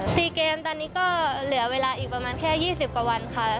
ซีเกมตอนนี้ก็เหลือเวลาอีกประมาณแค่ยี่สิบกว่าวันค่ะ